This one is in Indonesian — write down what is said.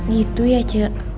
gitu ya cek